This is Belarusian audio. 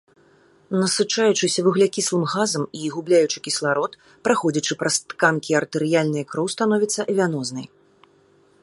Насычаючыся вуглякіслым газам і губляючы кісларод, праходзячы праз тканкі артэрыяльная кроў становіцца вянознай.